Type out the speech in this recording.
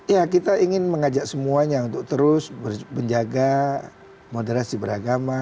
ya kita ingin mengajak semuanya untuk terus menjaga moderasi beragama